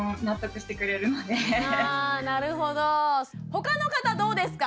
他の方どうですか？